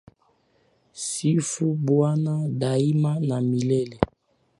Sifu bwana daima na milele